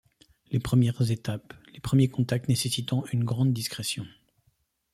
Les premières étapes, les premiers contacts nécessitant une grande discrétion.